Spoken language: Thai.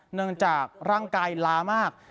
เนื่องจากร่างกายล้ามาก